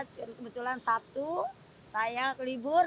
kebetulan sabtu saya kelibur